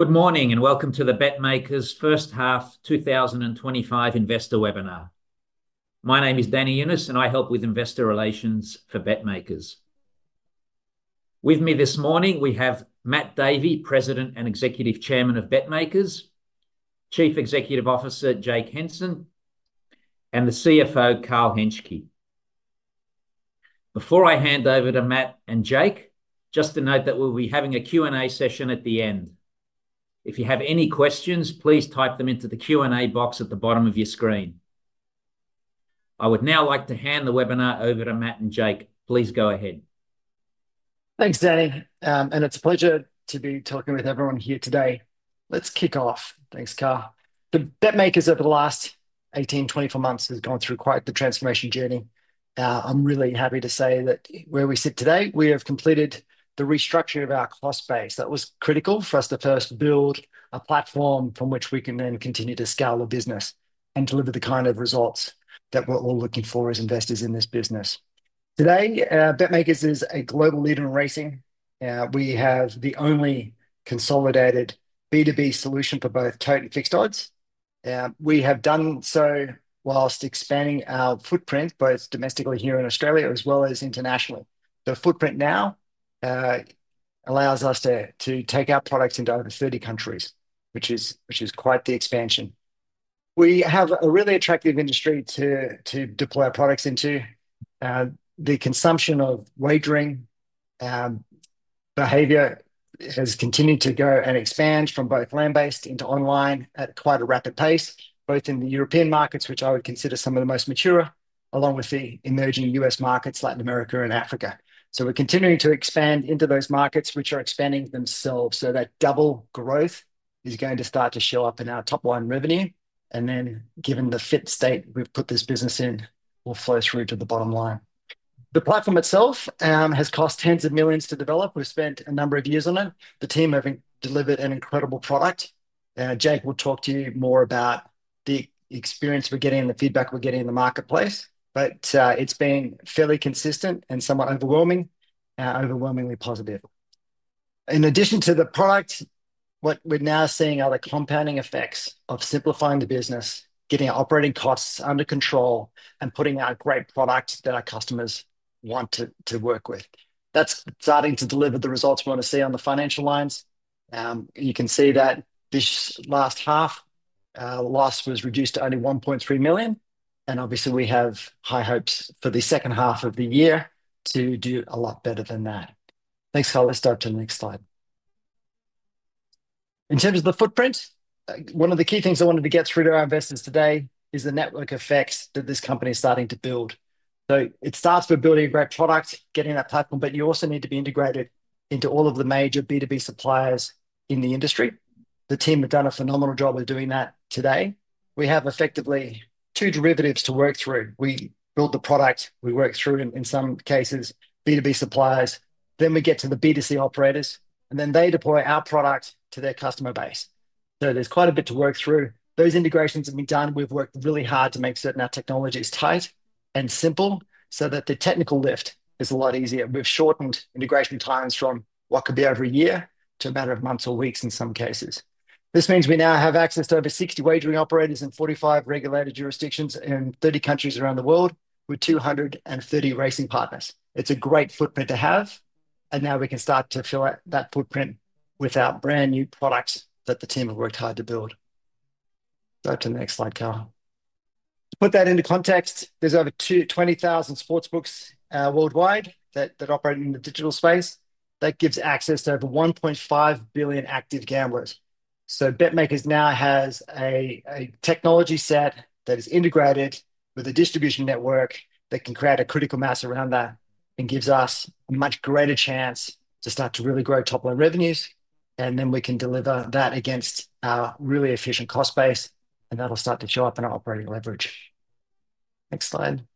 Good morning and welcome to the BetMakers First Half 2025 Investor Webinar. My name is Danny Younis, and I help with investor relations for BetMakers. With me this morning, we have Matt Davey, President and Executive Chairman of BetMakers; Chief Executive Officer Jake Henson; and the CFO Carl Henschke. Before I hand over to Matt and Jake, just to note that we'll be having a Q&A session at the end. If you have any questions, please type them into the Q&A box at the bottom of your screen. I would now like to hand the webinar over to Matt and Jake. Please go ahead. Thanks, Danny. It's a pleasure to be talking with everyone here today. Let's kick off. Thanks, Carl. BetMakers over the last 18, 24 months has gone through quite the transformation journey. I'm really happy to say that where we sit today, we have completed the restructuring of our cost base. That was critical for us to first build a platform from which we can then continue to scale the business and deliver the kind of results that we're all looking for as investors in this business. Today, BetMakers is a global leader in racing. We have the only consolidated B2B solution for both tote and fixed odds. We have done so whilst expanding our footprint both domestically here in Australia as well as internationally. The footprint now allows us to take our products into over 30 countries, which is quite the expansion. We have a really attractive industry to deploy our products into. The consumption of wagering behavior has continued to go and expand from both land-based into online at quite a rapid pace, both in the European markets, which I would consider some of the most mature, along with the emerging U.S. markets, Latin America, and Africa. We are continuing to expand into those markets, which are expanding themselves. That double growth is going to start to show up in our top-line revenue. Then, given the fit state we've put this business in, it will flow through to the bottom line. The platform itself has cost tens of millions to develop. We've spent a number of years on it. The team have delivered an incredible product. Jake will talk to you more about the experience we're getting and the feedback we're getting in the marketplace. It has been fairly consistent and somewhat overwhelming, overwhelmingly positive. In addition to the product, what we are now seeing are the compounding effects of simplifying the business, getting operating costs under control, and putting out a great product that our customers want to work with. That is starting to deliver the results we want to see on the financial lines. You can see that this last half, loss was reduced to only 1.3 million. Obviously, we have high hopes for the second half of the year to do a lot better than that. Thanks, Carl. Let's go to the next slide. In terms of the footprint, one of the key things I wanted to get through to our investors today is the network effects that this company is starting to build. It starts with building a great product, getting that platform, but you also need to be integrated into all of the major B2B suppliers in the industry. The team have done a phenomenal job of doing that today. We have effectively two derivatives to work through. We build the product, we work through, in some cases, B2B suppliers. Then we get to the B2C operators, and then they deploy our product to their customer base. There is quite a bit to work through. Those integrations have been done. We've worked really hard to make certain our technology is tight and simple so that the technical lift is a lot easier. We've shortened integration times from what could be over a year to a matter of months or weeks in some cases. This means we now have access to over 60 wagering operators in 45 regulated jurisdictions in 30 countries around the world with 230 racing partners. It's a great footprint to have. Now we can start to fill out that footprint with our brand new products that the team have worked hard to build. Go to the next slide, Carl. To put that into context, there are over 20,000 sportsbooks worldwide that operate in the digital space. That gives access to over 1.5 billion active gamblers. BetMakers now has a technology set that is integrated with a distribution network that can create a critical mass around that and gives us a much greater chance to start to really grow top-line revenues. We can deliver that against our really efficient cost base, and that'll start to show up in our operating leverage. Next slide.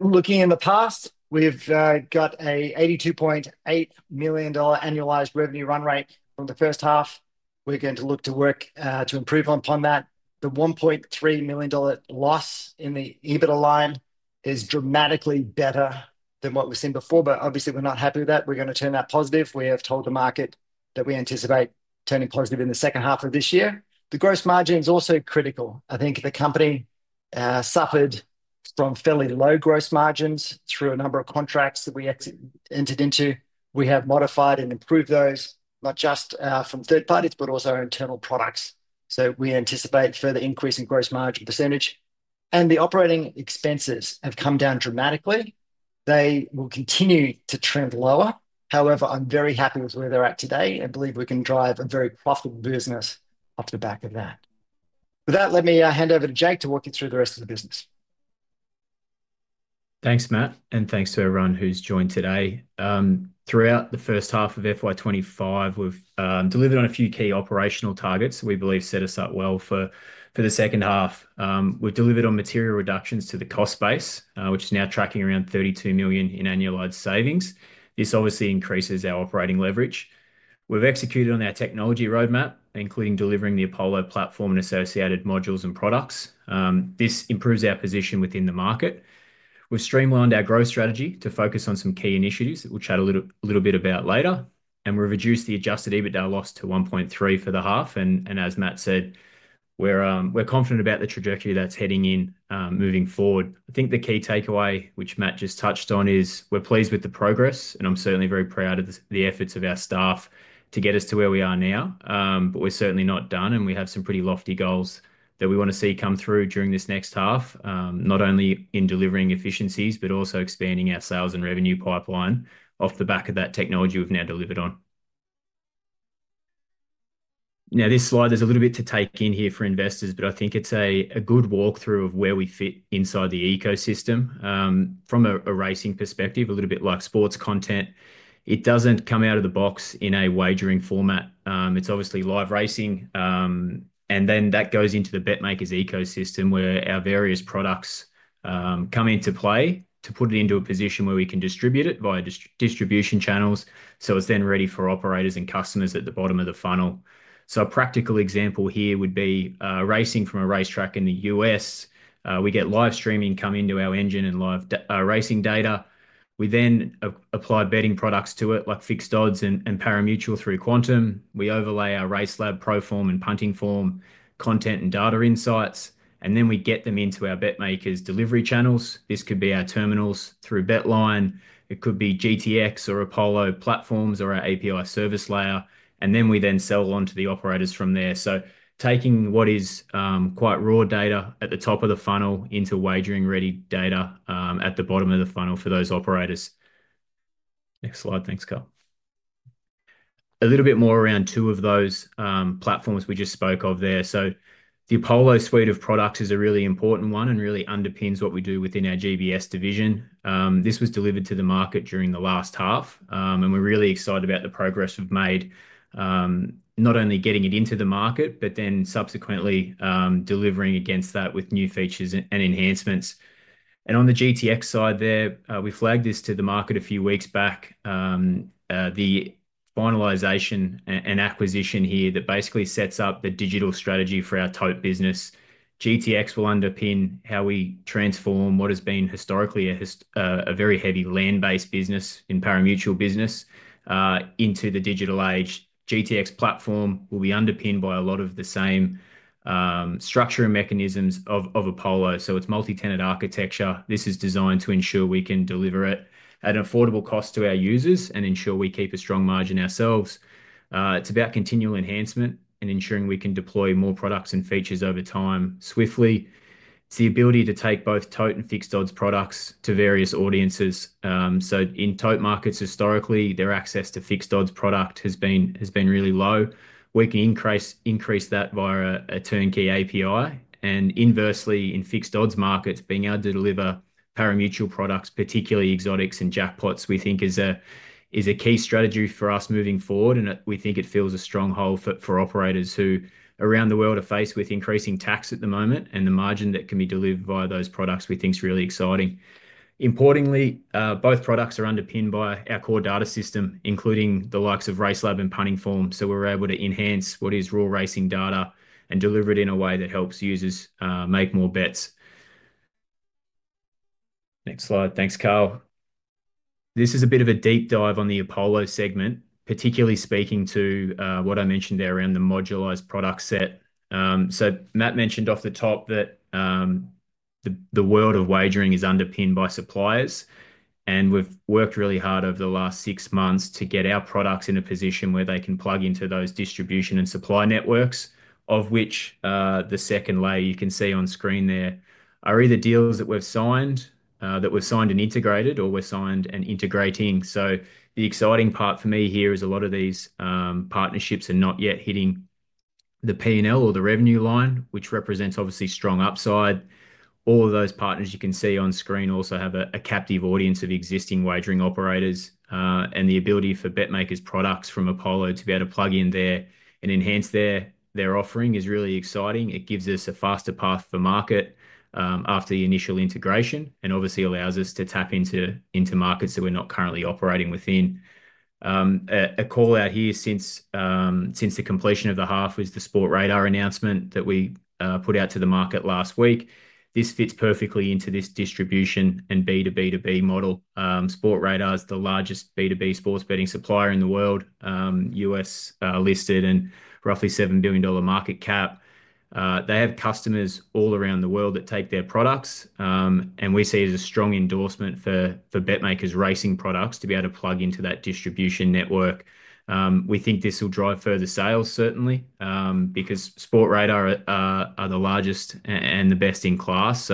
Looking in the past, we've got an 82.8 million dollar annualized revenue run rate from the first half. We're going to look to work to improve upon that. The 1.3 million dollar loss in the EBITDA line is dramatically better than what we've seen before, but obviously, we're not happy with that. We're going to turn that positive. We have told the market that we anticipate turning positive in the second half of this year. The gross margin is also critical. I think the company suffered from fairly low gross margins through a number of contracts that we entered into. We have modified and improved those, not just from third parties, but also our internal products. We anticipate further increase in gross margin percentage. The operating expenses have come down dramatically. They will continue to trend lower. However, I'm very happy with where they're at today and believe we can drive a very profitable business off the back of that. With that, let me hand over to Jake to walk you through the rest of the business. Thanks, Matt. Thanks to everyone who's joined today. Throughout the first half of FY 2025, we've delivered on a few key operational targets that we believe set us up well for the second half. We've delivered on material reductions to the cost base, which is now tracking around 32 million in annualized savings. This obviously increases our operating leverage. We've executed on our technology roadmap, including delivering the Apollo platform and associated modules and products. This improves our position within the market. We've streamlined our growth strategy to focus on some key initiatives that we'll chat a little bit about later. We've reduced the adjusted EBITDA loss to 1.3 million for the half. As Matt said, we're confident about the trajectory that's heading in moving forward. I think the key takeaway, which Matt just touched on, is we're pleased with the progress, and I'm certainly very proud of the efforts of our staff to get us to where we are now. We're certainly not done, and we have some pretty lofty goals that we want to see come through during this next half, not only in delivering efficiencies, but also expanding our sales and revenue pipeline off the back of that technology we've now delivered on. This slide has a little bit to take in here for investors, but I think it's a good walkthrough of where we fit inside the ecosystem. From a racing perspective, a little bit like sports content, it doesn't come out of the box in a wagering format. It's obviously live racing. That goes into the BetMakers ecosystem where our various products come into play to put it into a position where we can distribute it via distribution channels. It is then ready for operators and customers at the bottom of the funnel. A practical example here would be racing from a racetrack in the U.S. We get live streaming coming to our engine and live racing data. We then apply betting products to it, like fixed odds and parimutuel through Quantum. We overlay our Racelab ProForm and Punting Form content and data insights. We then get them into our BetMakers delivery channels. This could be our terminals through BetLine. It could be GTX or Apollo platforms or our API service layer. We then sell on to the operators from there. Taking what is quite raw data at the top of the funnel into wagering-ready data at the bottom of the funnel for those operators. Next slide. Thanks, Carl. A little bit more around two of those platforms we just spoke of there. The Apollo suite of products is a really important one and really underpins what we do within our GBS division. This was delivered to the market during the last half, and we're really excited about the progress we've made, not only getting it into the market, but then subsequently delivering against that with new features and enhancements. On the GTX side there, we flagged this to the market a few weeks back, the finalization and acquisition here that basically sets up the digital strategy for our totes business. GTX will underpin how we transform what has been historically a very heavy land-based business in parimutuel business into the digital age. GTX platform will be underpinned by a lot of the same structural mechanisms of Apollo. It is multi-tenant architecture. This is designed to ensure we can deliver it at an affordable cost to our users and ensure we keep a strong margin ourselves. It is about continual enhancement and ensuring we can deploy more products and features over time swiftly. It is the ability to take both totes and fixed odds products to various audiences. In totes markets, historically, their access to fixed odds product has been really low. We can increase that via a turnkey API. Inversely, in fixed odds markets, being able to deliver parimutuel products, particularly exotics and jackpots, we think is a key strategy for us moving forward. We think it fills a strong hole for operators who around the world are faced with increasing tax at the moment. The margin that can be delivered via those products, we think, is really exciting. Importantly, both products are underpinned by our core data system, including the likes of Racelab and Punting Form. We are able to enhance what is raw racing data and deliver it in a way that helps users make more bets. Next slide. Thanks, Carl. This is a bit of a deep dive on the Apollo segment, particularly speaking to what I mentioned there around the modularized product set. Matt mentioned off the top that the world of wagering is underpinned by suppliers. We have worked really hard over the last six months to get our products in a position where they can plug into those distribution and supply networks, of which the second layer you can see on screen there are either deals that we have signed, that we have signed and integrated, or we have signed and integrating. The exciting part for me here is a lot of these partnerships are not yet hitting the P&L or the revenue line, which represents obviously strong upside. All of those partners you can see on screen also have a captive audience of existing wagering operators. The ability for BetMakers products from Apollo to be able to plug in there and enhance their offering is really exciting. It gives us a faster path for market after the initial integration and obviously allows us to tap into markets that we are not currently operating within. A call out here since the completion of the half was the Sportradar announcement that we put out to the market last week. This fits perfectly into this distribution and B2B2B model. Sportradar is the largest B2B sports betting supplier in the world, U.S.-listed and roughly 7 billion dollar market cap. They have customers all around the world that take their products. We see it as a strong endorsement for BetMakers racing products to be able to plug into that distribution network. We think this will drive further sales, certainly, because Sportradar are the largest and the best in class.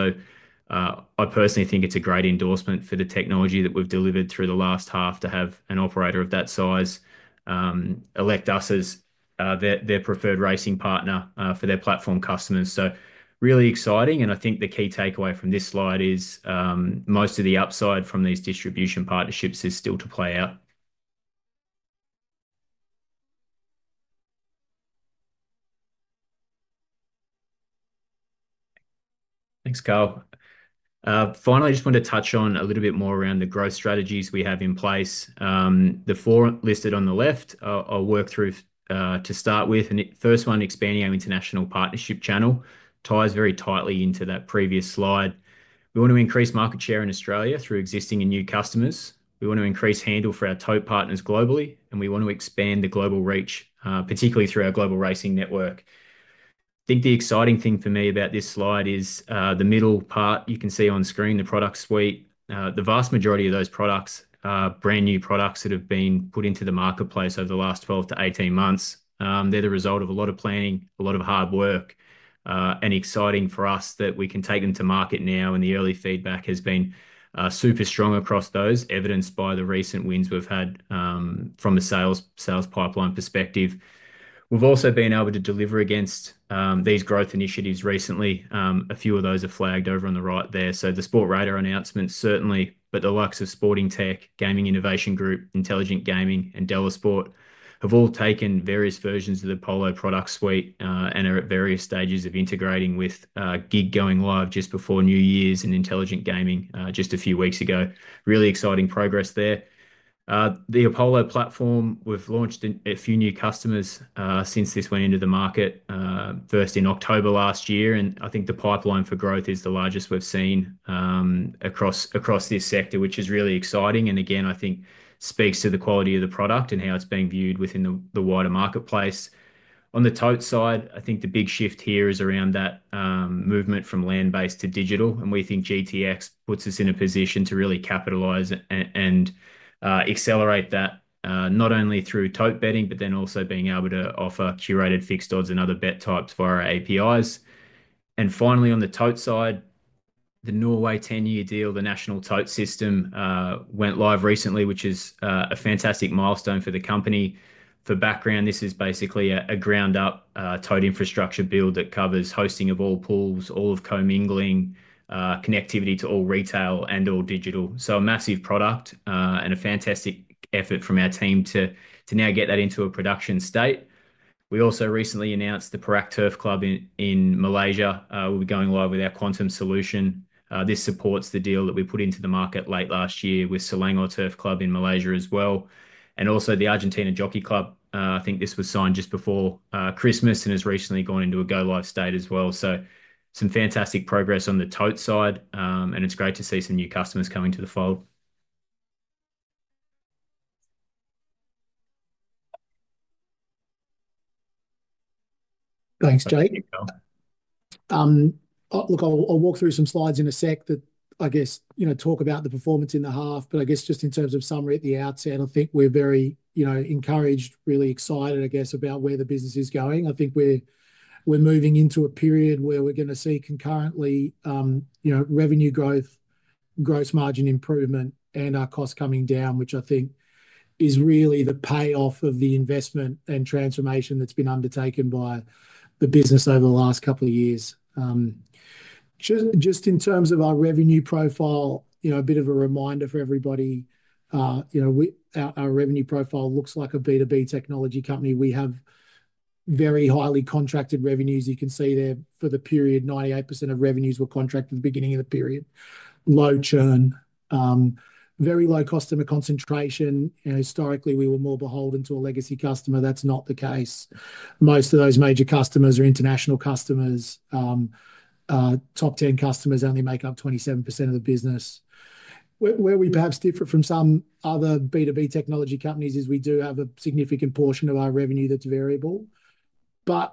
I personally think it's a great endorsement for the technology that we've delivered through the last half to have an operator of that size elect us as their preferred racing partner for their platform customers. Really exciting. I think the key takeaway from this slide is most of the upside from these distribution partnerships is still to play out. Thanks, Carl. Finally, I just want to touch on a little bit more around the growth strategies we have in place. The four listed on the left, I'll work through to start with. The first one, expanding our international partnership channel, ties very tightly into that previous slide. We want to increase market share in Australia through existing and new customers. We want to increase handle for our totes partners globally, and we want to expand the global reach, particularly through our Global Racing Network. I think the exciting thing for me about this slide is the middle part. You can see on screen the product suite. The vast majority of those products are brand new products that have been put into the marketplace over the last 12 to 18 months. They're the result of a lot of planning, a lot of hard work, and exciting for us that we can take them to market now. The early feedback has been super strong across those, evidenced by the recent wins we've had from a sales pipeline perspective. We've also been able to deliver against these growth initiatives recently. A few of those are flagged over on the right there. The Sportradar announcement, certainly, but the likes of Sportingtech, Gaming Innovation Group, Intelligent Gaming, and Delasport have all taken various versions of the Apollo product suite and are at various stages of integrating with GiG going live just before New Year's and Intelligent Gaming just a few weeks ago. Really exciting progress there. The Apollo platform, we've launched a few new customers since this went into the market, first in October last year. I think the pipeline for growth is the largest we've seen across this sector, which is really exciting. I think this speaks to the quality of the product and how it's being viewed within the wider marketplace. On the totes side, I think the big shift here is around that movement from land-based to digital. We think GTX puts us in a position to really capitalize and accelerate that not only through totes betting, but also being able to offer curated fixed odds and other bet types via our APIs. Finally, on the totes side, the Norway 10-year deal, the national totes system, went live recently, which is a fantastic milestone for the company. For background, this is basically a ground-up totes infrastructure build that covers hosting of all pools, all of co-mingling, connectivity to all retail and all digital. A massive product and a fantastic effort from our team to now get that into a production state. We also recently announced the Perak Turf Club in Malaysia. We'll be going live with our Quantum solution. This supports the deal that we put into the market late last year with Selangor Turf Club in Malaysia as well. The Argentina Jockey Club, I think this was signed just before Christmas and has recently gone into a go-live state as well. Some fantastic progress on the totes side. It's great to see some new customers coming to the fold. Thanks, Jake. Look, I'll walk through some slides in a sec that I guess talk about the performance in the half. I guess just in terms of summary at the outset, I think we're very encouraged, really excited, I guess, about where the business is going. I think we're moving into a period where we're going to see concurrently revenue growth, gross margin improvement, and our costs coming down, which I think is really the payoff of the investment and transformation that's been undertaken by the business over the last couple of years. Just in terms of our revenue profile, a bit of a reminder for everybody. Our revenue profile looks like a B2B technology company. We have very highly contracted revenues. You can see there for the period, 98% of revenues were contracted at the beginning of the period. Low churn, very low customer concentration. Historically, we were more beholden to a legacy customer. That's not the case. Most of those major customers are international customers. Top 10 customers only make up 27% of the business. Where we perhaps differ from some other B2B technology companies is we do have a significant portion of our revenue that's variable.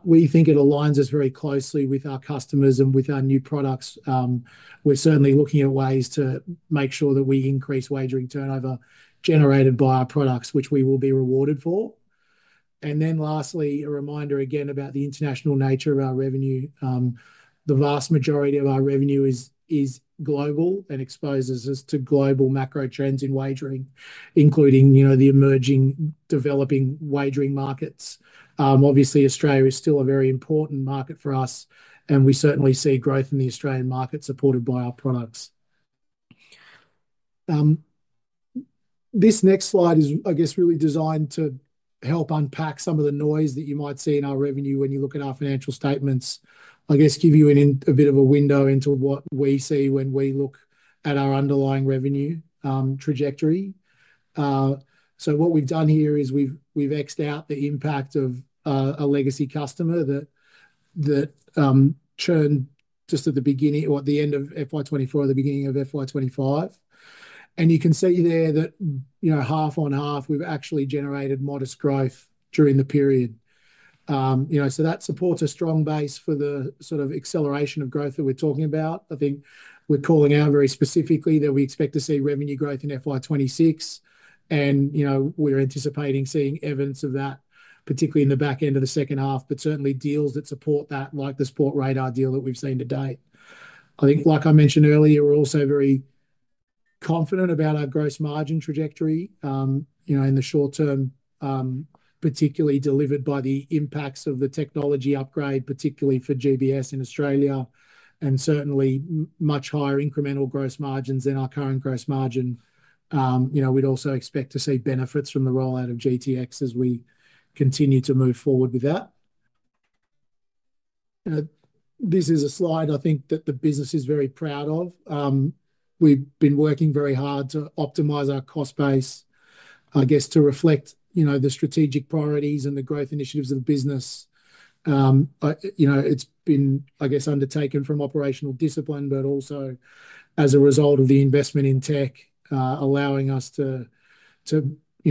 We think it aligns us very closely with our customers and with our new products. We're certainly looking at ways to make sure that we increase wagering turnover generated by our products, which we will be rewarded for. Lastly, a reminder again about the international nature of our revenue. The vast majority of our revenue is global and exposes us to global macro trends in wagering, including the emerging, developing wagering markets. Obviously, Australia is still a very important market for us, and we certainly see growth in the Australian market supported by our products. This next slide is, I guess, really designed to help unpack some of the noise that you might see in our revenue when you look at our financial statements. I guess give you a bit of a window into what we see when we look at our underlying revenue trajectory. What we've done here is we've Xed out the impact of a legacy customer that churned just at the beginning or at the end of FY 2024, at the beginning of FY 2025. You can see there that half on half, we've actually generated modest growth during the period. That supports a strong base for the sort of acceleration of growth that we're talking about. I think we're calling out very specifically that we expect to see revenue growth in FY 2026. We're anticipating seeing evidence of that, particularly in the back end of the second half, but certainly deals that support that, like the Sportradar deal that we've seen to date. I think, like I mentioned earlier, we're also very confident about our gross margin trajectory in the short term, particularly delivered by the impacts of the technology upgrade, particularly for GBS in Australia, and certainly much higher incremental gross margins than our current gross margin. We'd also expect to see benefits from the rollout of GTX as we continue to move forward with that. This is a slide, I think, that the business is very proud of. We've been working very hard to optimize our cost base, I guess, to reflect the strategic priorities and the growth initiatives of the business. It's been, I guess, undertaken from operational discipline, but also as a result of the investment in tech allowing us to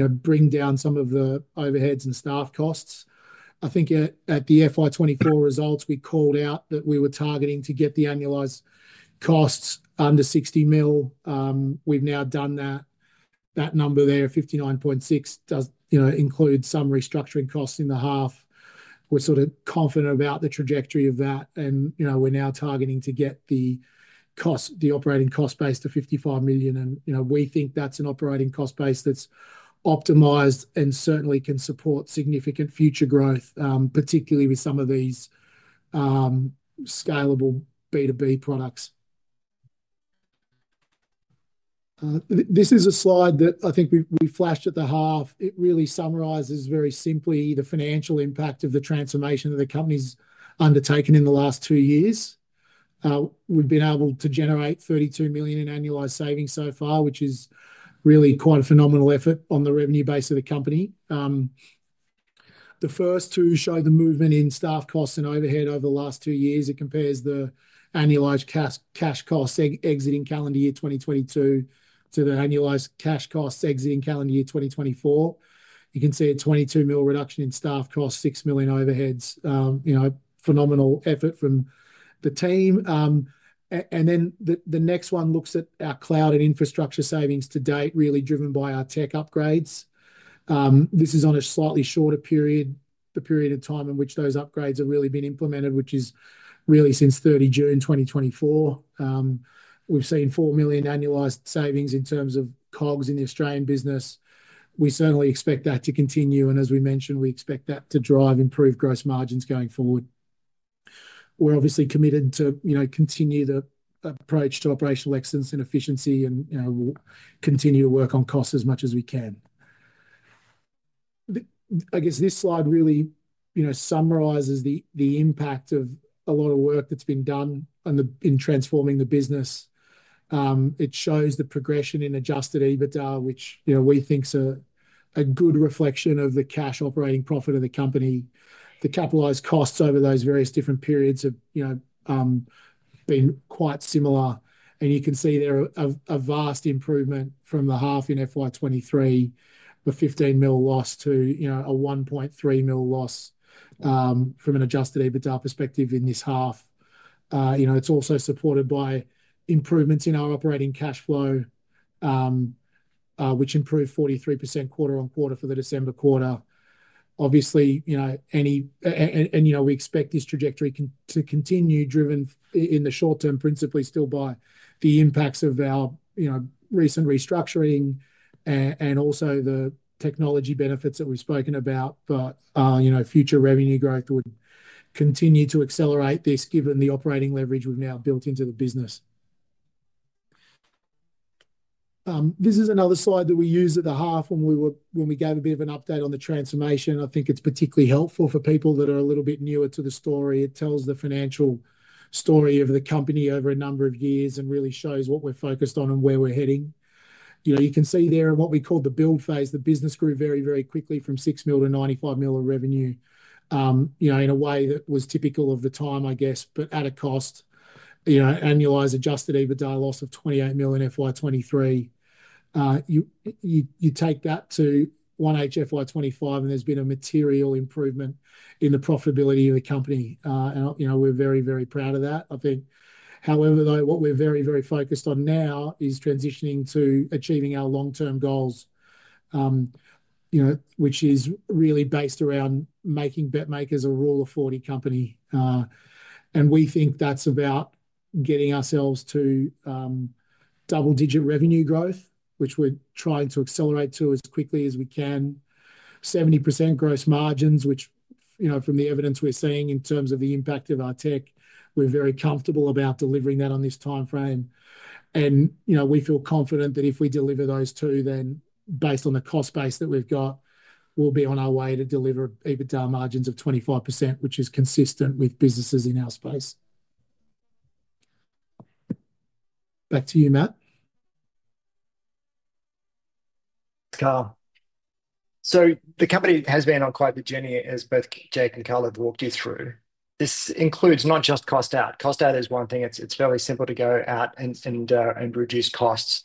bring down some of the overheads and staff costs. I think at the FY 2024 results, we called out that we were targeting to get the annualized costs under 60 million. We've now done that. That number there, 59.6 million, does include some restructuring costs in the half. We're sort of confident about the trajectory of that. We're now targeting to get the operating cost base to 55 million. We think that's an operating cost base that's optimized and certainly can support significant future growth, particularly with some of these scalable B2B products. This is a slide that I think we flashed at the half. It really summarizes very simply the financial impact of the transformation that the company's undertaken in the last two years. We've been able to generate 32 million in annualized savings so far, which is really quite a phenomenal effort on the revenue base of the company. The first two show the movement in staff costs and overhead over the last two years. It compares the annualized cash costs exiting calendar year 2022 to the annualized cash costs exiting calendar year 2024. You can see a 22 million reduction in staff costs, 6 million overheads. Phenomenal effort from the team. The next one looks at our cloud and infrastructure savings to date, really driven by our tech upgrades. This is on a slightly shorter period, the period of time in which those upgrades have really been implemented, which is really since 30 June 2024. We've seen 4 million annualized savings in terms of COGS in the Australian business. We certainly expect that to continue. As we mentioned, we expect that to drive improved gross margins going forward. We're obviously committed to continue the approach to operational excellence and efficiency and continue to work on costs as much as we can. I guess this slide really summarizes the impact of a lot of work that's been done in transforming the business. It shows the progression in adjusted EBITDA, which we think is a good reflection of the cash operating profit of the company. The capitalized costs over those various different periods have been quite similar. You can see there are a vast improvement from the half in FY 2023, the 15 million loss to a 1.3 million loss from an adjusted EBITDA perspective in this half. It's also supported by improvements in our operating cash flow, which improved 43% quarter-on-quarter for the December quarter. Obviously, and we expect this trajectory to continue driven in the short term, principally still by the impacts of our recent restructuring and also the technology benefits that we've spoken about. Future revenue growth would continue to accelerate this given the operating leverage we've now built into the business. This is another slide that we used at the half when we gave a bit of an update on the transformation. I think it's particularly helpful for people that are a little bit newer to the story. It tells the financial story of the company over a number of years and really shows what we're focused on and where we're heading. You can see there in what we call the build phase, the business grew very, very quickly from 6 million to 95 million of revenue in a way that was typical of the time, I guess, but at a cost, annualized adjusted EBITDA loss of 28 million in FY 2023. You take that to 1H FY 2025, and there has been a material improvement in the profitability of the company. We are very, very proud of that, I think. However, what we are very, very focused on now is transitioning to achieving our long-term goals, which is really based around making BetMakers a rule-of-40 company. We think that is about getting ourselves to double-digit revenue growth, which we are trying to accelerate to as quickly as we can. 70% gross margins, which from the evidence we are seeing in terms of the impact of our tech, we are very comfortable about delivering that on this timeframe. We feel confident that if we deliver those two, then based on the cost base that we've got, we'll be on our way to deliver EBITDA margins of 25%, which is consistent with businesses in our space. Back to you, Matt. The company has been on quite the journey, as both Jake and Carl have walked you through. This includes not just cost out. Cost out is one thing. It's fairly simple to go out and reduce costs.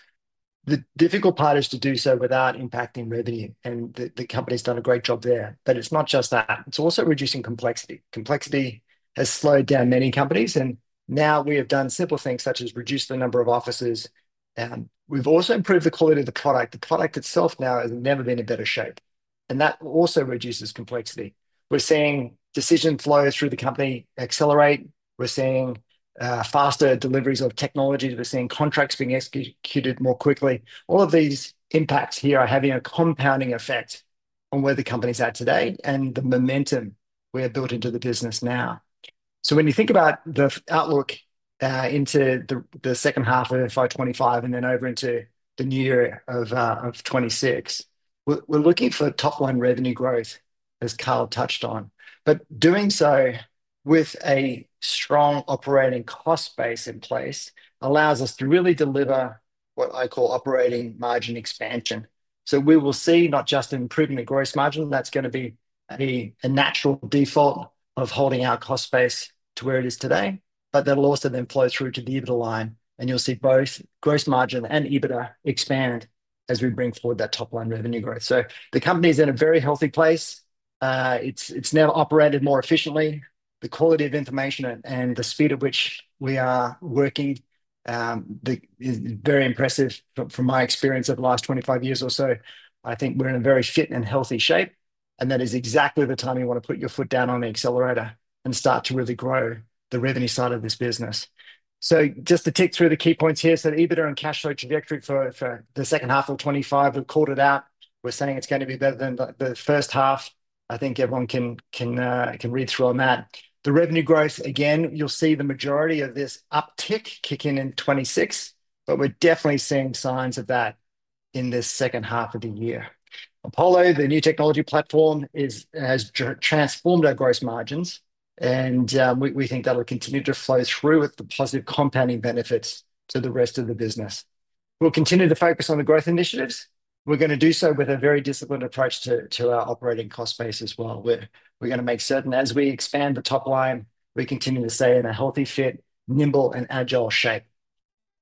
The difficult part is to do so without impacting revenue. The company's done a great job there. It's not just that. It's also reducing complexity. Complexity has slowed down many companies. Now we have done simple things such as reduce the number of offices. We've also improved the quality of the product. The product itself now has never been in better shape. That also reduces complexity. We're seeing decision flows through the company accelerate. We're seeing faster deliveries of technologies. We're seeing contracts being executed more quickly. All of these impacts here are having a compounding effect on where the company's at today and the momentum we have built into the business now. When you think about the outlook into the second half of FY 2025 and then over into the new year of 2026, we're looking for top-line revenue growth, as Carl touched on. Doing so with a strong operating cost base in place allows us to really deliver what I call operating margin expansion. We will see not just an improvement in gross margin. That's going to be a natural default of holding our cost base to where it is today. That'll also then flow through to the EBITDA line. You'll see both gross margin and EBITDA expand as we bring forward that top-line revenue growth. The company's in a very healthy place. It's now operated more efficiently. The quality of information and the speed at which we are working is very impressive from my experience of the last 25 years or so. I think we're in a very fit and healthy shape. That is exactly the time you want to put your foot down on the accelerator and start to really grow the revenue side of this business. Just to tick through the key points here, the EBITDA and cash flow trajectory for the second half of 2025, we've called it out. We're saying it's going to be better than the first half. I think everyone can read through on that. The revenue growth, again, you'll see the majority of this uptick kick in in 2026, but we're definitely seeing signs of that in this second half of the year. Apollo, the new technology platform, has transformed our gross margins. We think that'll continue to flow through with the positive compounding benefits to the rest of the business. We'll continue to focus on the growth initiatives. We're going to do so with a very disciplined approach to our operating cost base as well. We're going to make certain, as we expand the top line, we continue to stay in a healthy, fit, nimble, and agile shape.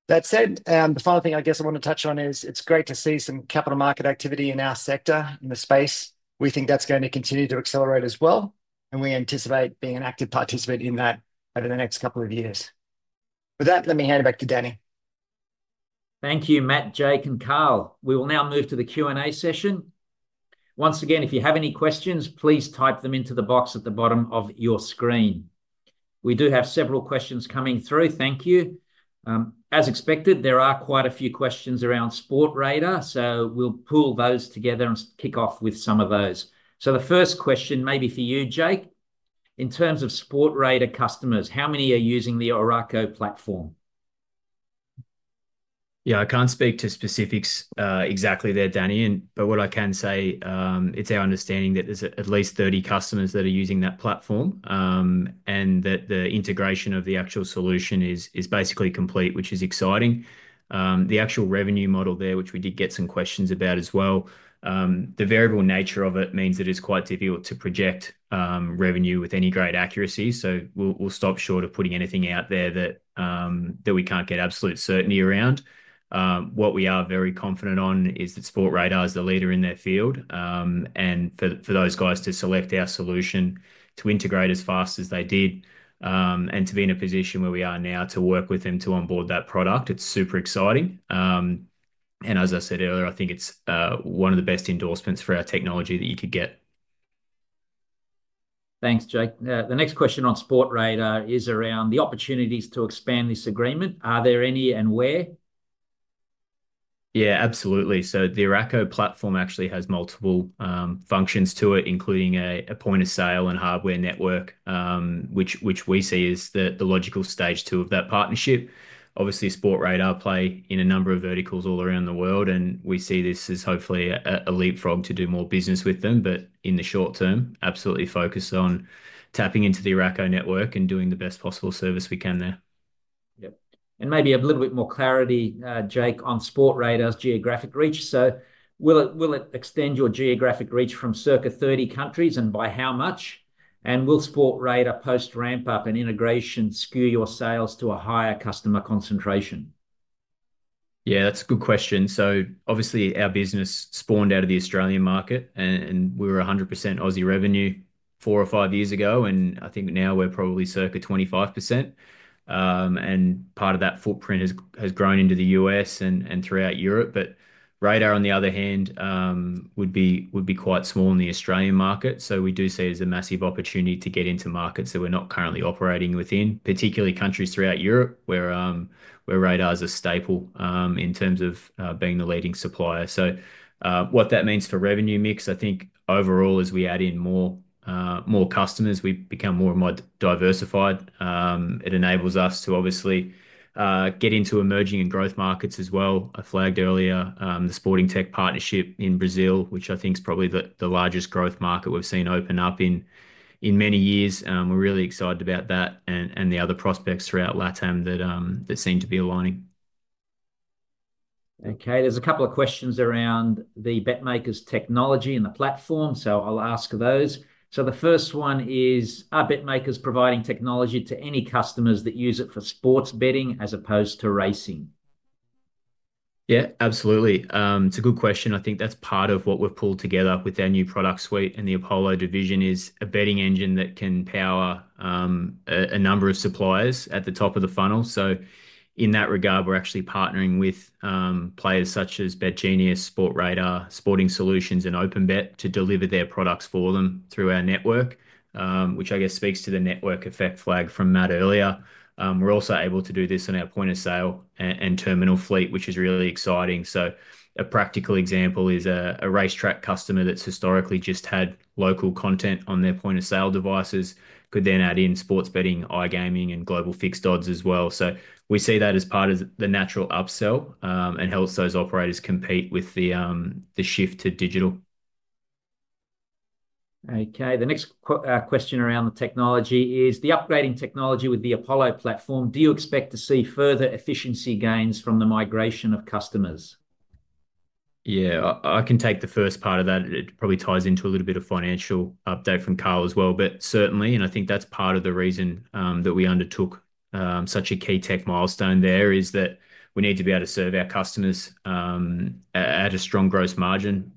That said, the final thing I guess I want to touch on is it's great to see some capital market activity in our sector, in the space. We think that's going to continue to accelerate as well. We anticipate being an active participant in that over the next couple of years. With that, let me hand it back to Danny. Thank you, Matt, Jake, and Carl. We will now move to the Q&A session. Once again, if you have any questions, please type them into the box at the bottom of your screen. We do have several questions coming through. Thank you. As expected, there are quite a few questions around Sportradar. We will pull those together and kick off with some of those. The first question may be for you, Jake. In terms of Sportradar customers, how many are using the ORAKO platform? Yeah, I can't speak to specifics exactly there, Danny. What I can say, it's our understanding that there's at least 30 customers that are using that platform and that the integration of the actual solution is basically complete, which is exciting. The actual revenue model there, which we did get some questions about as well, the variable nature of it means that it's quite difficult to project revenue with any great accuracy. We'll stop short of putting anything out there that we can't get absolute certainty around. What we are very confident on is that Sportradar is the leader in their field. For those guys to select our solution, to integrate as fast as they did, and to be in a position where we are now to work with them to onboard that product, it's super exciting. As I said earlier, I think it's one of the best endorsements for our technology that you could get. Thanks, Jake. The next question on Sportradar is around the opportunities to expand this agreement. Are there any and where? Yeah, absolutely. The Apollo platform actually has multiple functions to it, including a point of sale and hardware network, which we see as the logical stage two of that partnership. Obviously, Sportradar play in a number of verticals all around the world. We see this as hopefully a leapfrog to do more business with them. In the short term, absolutely focused on tapping into the ORAKO network and doing the best possible service we can there. Yep. Maybe a little bit more clarity, Jake, on Sportradar's geographic reach. Will it extend your geographic reach from circa 30 countries and by how much? Will Sportradar post-ramp-up and integration skew your sales to a higher customer concentration? Yeah, that's a good question. Obviously, our business spawned out of the Australian market. We were 100% Aussie revenue four or five years ago. I think now we're probably circa 25%. Part of that footprint has grown into the U.S. and throughout Europe. Sportradar, on the other hand, would be quite small in the Australian market. We do see it as a massive opportunity to get into markets that we're not currently operating within, particularly countries throughout Europe where Radar is a staple in terms of being the leading supplier. What that means for revenue mix, I think overall, as we add in more customers, we become more and more diversified. It enables us to obviously get into emerging and growth markets as well. I flagged earlier the Sportingtech partnership in Brazil, which I think is probably the largest growth market we've seen open up in many years. We're really excited about that and the other prospects throughout LATAM that seem to be aligning. Okay. There are a couple of questions around the BetMakers technology and the platform. I will ask those. The first one is, are BetMakers providing technology to any customers that use it for sports betting as opposed to racing? Yeah, absolutely. It's a good question. I think that's part of what we've pulled together with our new product suite and the Apollo division is a betting engine that can power a number of suppliers at the top of the funnel. In that regard, we're actually partnering with players such as Betgenius, Sportradar, Sporting Solutions, and OpenBet to deliver their products for them through our network, which I guess speaks to the network effect flag from Matt earlier. We're also able to do this on our point of sale and terminal fleet, which is really exciting. A practical example is a racetrack customer that's historically just had local content on their point of sale devices could then add in sports betting, iGaming, and Global Fixed Odds as well. We see that as part of the natural upsell and helps those operators compete with the shift to digital. Okay. The next question around the technology is the upgrading technology with the Apollo platform. Do you expect to see further efficiency gains from the migration of customers? Yeah, I can take the first part of that. It probably ties into a little bit of financial update from Carl as well. Certainly, and I think that's part of the reason that we undertook such a key tech milestone there is that we need to be able to serve our customers at a strong gross margin,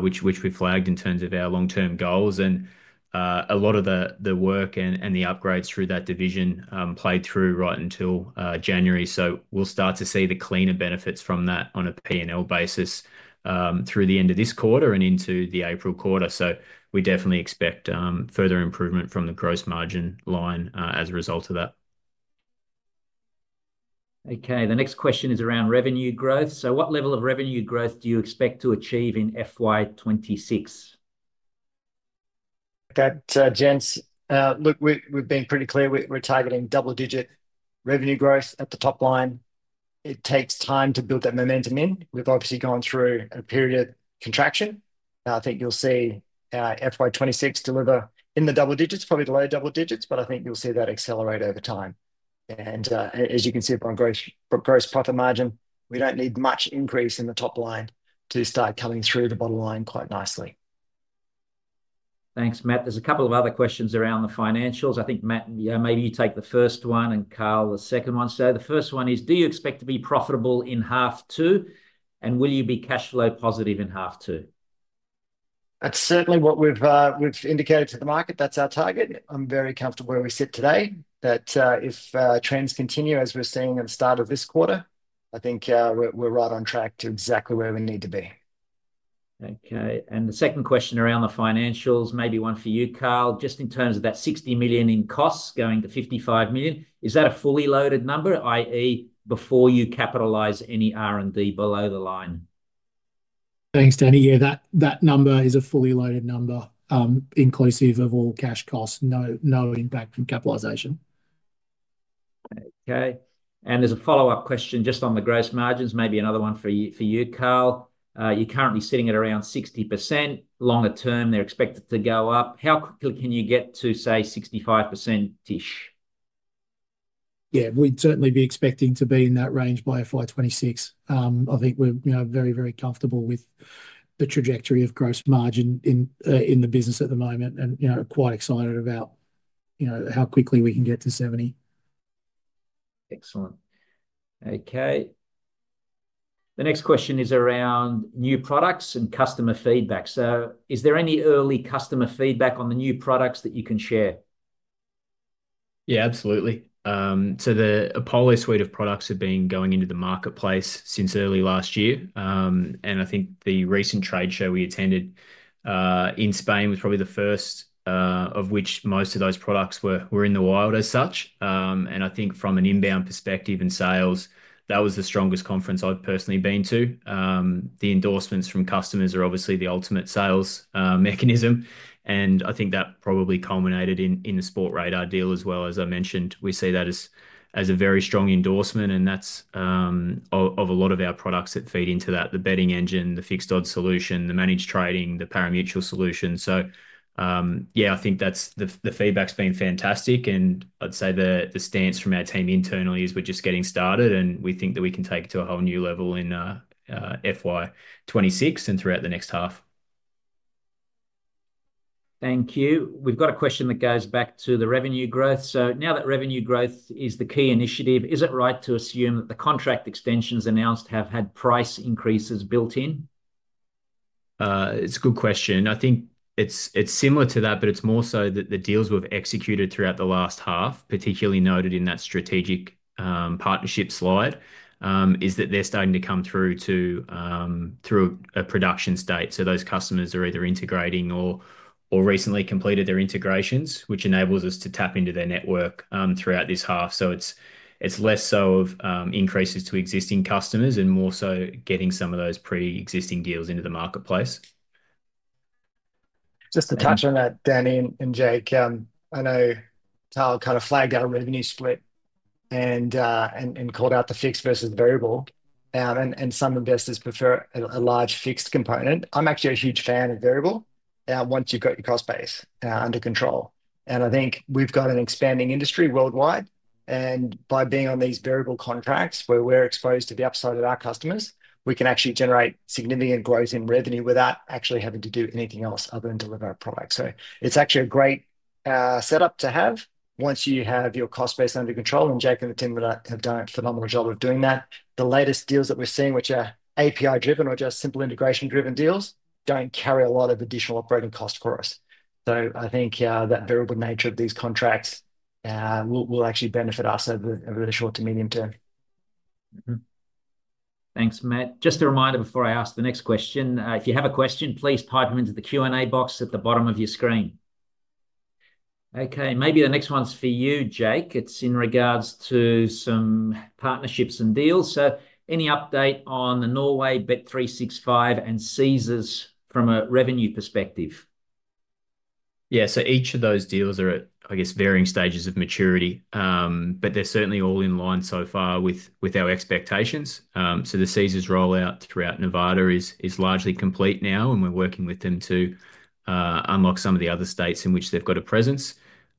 which we flagged in terms of our long-term goals. A lot of the work and the upgrades through that division played through right until January. We will start to see the cleaner benefits from that on a P&L basis through the end of this quarter and into the April quarter. We definitely expect further improvement from the gross margin line as a result of that. Okay. The next question is around revenue growth. What level of revenue growth do you expect to achieve in FY 2026? Okay, Jens, look, we've been pretty clear. We're targeting double-digit revenue growth at the top line. It takes time to build that momentum in. We've obviously gone through a period of contraction. I think you'll see FY 2026 deliver in the double digits, probably the low double digits, but I think you'll see that accelerate over time. As you can see from gross profit margin, we don't need much increase in the top line to start coming through the bottom line quite nicely. Thanks, Matt. There's a couple of other questions around the financials. I think, Matt, maybe you take the first one and Carl the second one. The first one is, do you expect to be profitable in half two? Will you be cash flow positive in half two? That's certainly what we've indicated to the market. That's our target. I'm very comfortable where we sit today. If trends continue as we're seeing at the start of this quarter, I think we're right on track to exactly where we need to be. Okay. The second question around the financials, maybe one for you, Carl, just in terms of that 60 million in costs going to 55 million. Is that a fully loaded number, i.e., before you capitalize any R&D below the line? Thanks, Danny. Yeah, that number is a fully loaded number, inclusive of all cash costs, no impact from capitalization. Okay. There is a follow-up question just on the gross margins, maybe another one for you, Carl. You are currently sitting at around 60%. Longer term, they are expected to go up. How quickly can you get to, say, 65%-ish? Yeah, we'd certainly be expecting to be in that range by FY 2026. I think we're very, very comfortable with the trajectory of gross margin in the business at the moment and quite excited about how quickly we can get to 70%. Excellent. Okay. The next question is around new products and customer feedback. Is there any early customer feedback on the new products that you can share? Yeah, absolutely. The Apollo suite of products have been going into the marketplace since early last year. I think the recent trade show we attended in Spain was probably the first of which most of those products were in the wild as such. I think from an inbound perspective and sales, that was the strongest conference I've personally been to. The endorsements from customers are obviously the ultimate sales mechanism. I think that probably culminated in the Sportradar deal as well. As I mentioned, we see that as a very strong endorsement. That's of a lot of our products that feed into that, the betting engine, the fixed odds solution, the managed trading, the parimutuel solution. Yeah, I think the feedback's been fantastic. I'd say the stance from our team internally is we're just getting started. We think that we can take it to a whole new level in FY 2026 and throughout the next half. Thank you. We've got a question that goes back to the revenue growth. Now that revenue growth is the key initiative, is it right to assume that the contract extensions announced have had price increases built in? It's a good question. I think it's similar to that, but it's more so that the deals we've executed throughout the last half, particularly noted in that strategic partnership slide, is that they're starting to come through a production state. Those customers are either integrating or recently completed their integrations, which enables us to tap into their network throughout this half. It's less so of increases to existing customers and more so getting some of those pre-existing deals into the marketplace. Just to touch on that, Danny and Jake, I know Carl kind of flagged our revenue split and called out the fixed versus variable. Some investors prefer a large fixed component. I'm actually a huge fan of variable once you've got your cost base under control. I think we've got an expanding industry worldwide. By being on these variable contracts where we're exposed to the upside of our customers, we can actually generate significant growth in revenue without actually having to do anything else other than deliver a product. It's actually a great setup to have once you have your cost base under control. Jake and the team have done a phenomenal job of doing that. The latest deals that we're seeing, which are API-driven or just simple integration-driven deals, do not carry a lot of additional operating costs for us. I think that variable nature of these contracts will actually benefit us over the short to medium term. Thanks, Matt. Just a reminder before I ask the next question, if you have a question, please type them into the Q&A box at the bottom of your screen. Okay. Maybe the next one's for you, Jake. It's in regards to some partnerships and deals. Any update on the Norway, bet365, and Caesars from a revenue perspective? Yeah. Each of those deals are at, I guess, varying stages of maturity. They are certainly all in line so far with our expectations. The Caesars rollout throughout Nevada is largely complete now. We are working with them to unlock some of the other states in which they have a presence.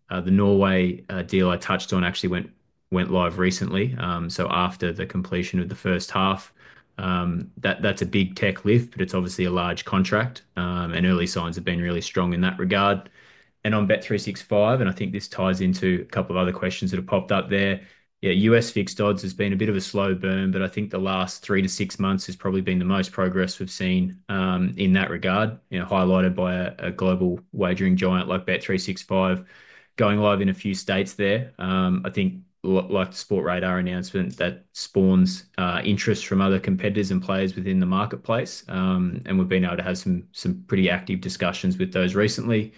The Norway deal I touched on actually went live recently. After the completion of the first half, that is a big tech lift, but it is obviously a large contract. Early signs have been really strong in that regard. On bet365, and I think this ties into a couple of other questions that have popped up there, U.S. fixed odds has been a bit of a slow burn. I think the last three to six months has probably been the most progress we've seen in that regard, highlighted by a global wagering giant like bet365 going live in a few states there. I think like the Sportradar announcement that spawns interest from other competitors and players within the marketplace. We've been able to have some pretty active discussions with those recently.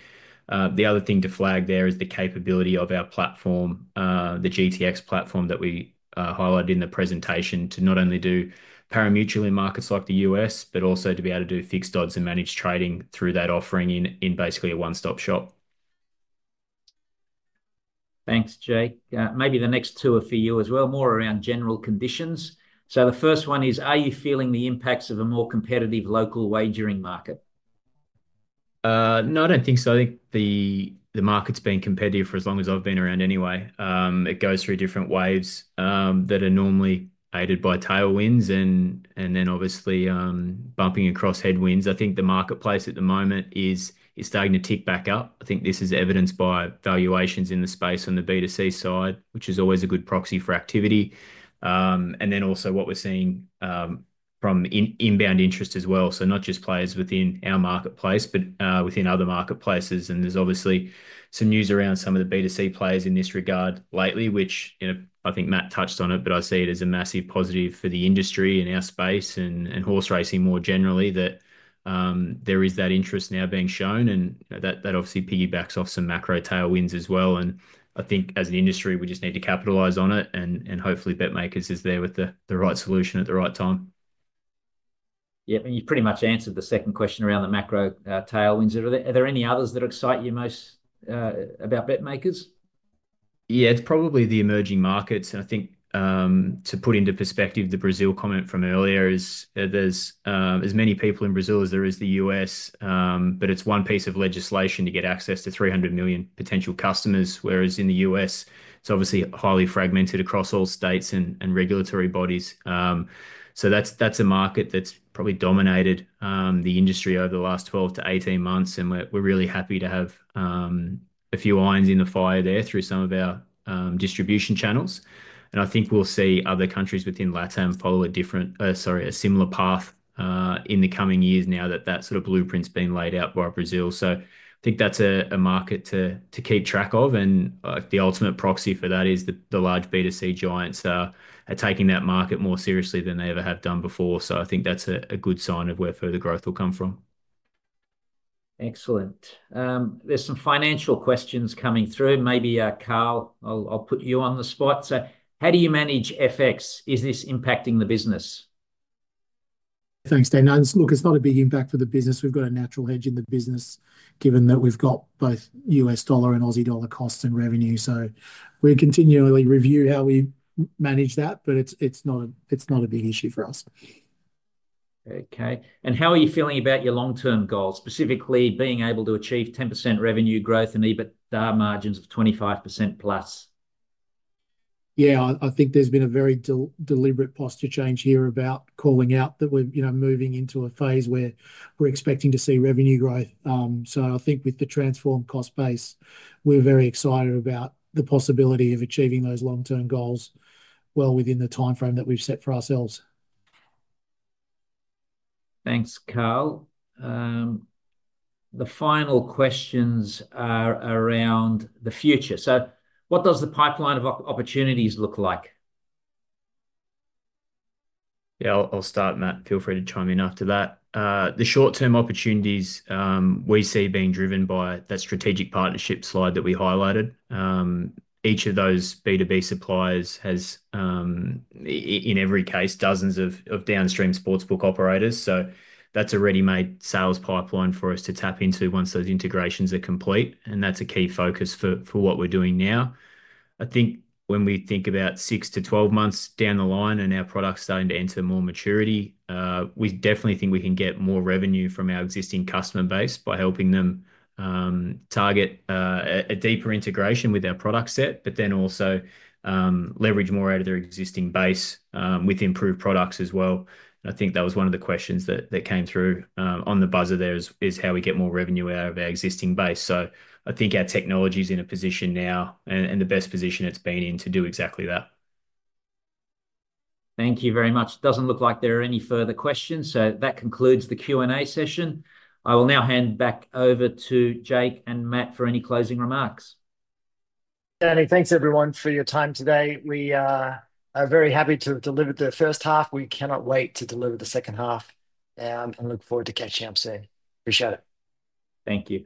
The other thing to flag there is the capability of our platform, the GTX platform that we highlighted in the presentation to not only do parimutuel in markets like the U.S., but also to be able to do fixed odds and managed trading through that offering in basically a one-stop shop. Thanks, Jake. Maybe the next two are for you as well, more around general conditions. The first one is, are you feeling the impacts of a more competitive local wagering market? No, I don't think so. I think the market's been competitive for as long as I've been around anyway. It goes through different waves that are normally aided by tailwinds and then obviously bumping across headwinds. I think the marketplace at the moment is starting to tick back up. I think this is evidenced by valuations in the space on the B2C side, which is always a good proxy for activity. Also, what we're seeing from inbound interest as well. Not just players within our marketplace, but within other marketplaces. There is obviously some news around some of the B2C players in this regard lately, which I think Matt touched on it, but I see it as a massive positive for the industry and our space and horse racing more generally that there is that interest now being shown. That obviously piggybacks off some macro tailwinds as well. I think as an industry, we just need to capitalize on it. Hopefully, BetMakers is there with the right solution at the right time. Yeah. You pretty much answered the second question around the macro tailwinds. Are there any others that excite you most about BetMakers? Yeah, it's probably the emerging markets. I think to put into perspective the Brazil comment from earlier, there's as many people in Brazil as there is the U.S. It's one piece of legislation to get access to 300 million potential customers, whereas in the U.S., it's obviously highly fragmented across all states and regulatory bodies. That's a market that's probably dominated the industry over the last 12-18 months. We're really happy to have a few irons in the fire there through some of our distribution channels. I think we'll see other countries within LATAM follow a similar path in the coming years now that that sort of blueprint's been laid out by Brazil. I think that's a market to keep track of. The ultimate proxy for that is the large B2C giants are taking that market more seriously than they ever have done before. I think that's a good sign of where further growth will come from. Excellent. There are some financial questions coming through. Maybe Carl, I'll put you on the spot. How do you manage FX? Is this impacting the business? Thanks, Danny. Look, it's not a big impact for the business. We've got a natural hedge in the business given that we've got both U.S. dollar and Aussie dollar costs and revenue. We continually review how we manage that, but it's not a big issue for us. Okay. How are you feeling about your long-term goals, specifically being able to achieve 10% revenue growth and EBITDA margins of 25%+? Yeah, I think there's been a very deliberate posture change here about calling out that we're moving into a phase where we're expecting to see revenue growth. I think with the transformed cost base, we're very excited about the possibility of achieving those long-term goals well within the timeframe that we've set for ourselves. Thanks, Carl. The final questions are around the future. What does the pipeline of opportunities look like? Yeah, I'll start, Matt. Feel free to chime in after that. The short-term opportunities we see being driven by that strategic partnership slide that we highlighted. Each of those B2B suppliers has, in every case, dozens of downstream sportsbook operators. That is a ready-made sales pipeline for us to tap into once those integrations are complete. That is a key focus for what we're doing now. I think when we think about 6-12 months down the line and our products starting to enter more maturity, we definitely think we can get more revenue from our existing customer base by helping them target a deeper integration with our product set, but then also leverage more out of their existing base with improved products as well. I think that was one of the questions that came through on the buzzer there is how we get more revenue out of our existing base. I think our technology is in a position now and the best position it's been in to do exactly that. Thank you very much. Doesn't look like there are any further questions. That concludes the Q&A session. I will now hand back over to Jake and Matt for any closing remarks. Danny, thanks everyone for your time today. We are very happy to have delivered the first half. We cannot wait to deliver the second half and look forward to catching up soon. Appreciate it. Thank you.